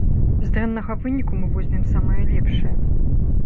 З дрэннага выніку мы возьмем самае лепшае.